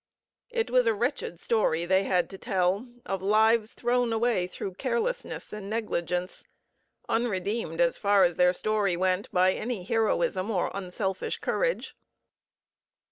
It was a wretched story they had to tell of lives thrown away through carelessness and negligence, unredeemed, as far as their story went, by any heroism or unselfish courage.